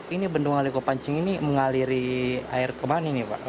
ini bendungan leko pancing ini mengaliri air ke mana nih pak